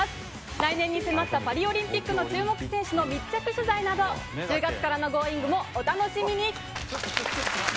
来年に迫ったパリオリンピックの注目選手の密着取材など、１０月これまでＧｏｉｎｇ！